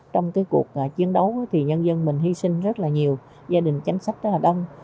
trong cuộc chiến đấu nhân dân mình hy sinh rất nhiều gia đình chánh sách rất đông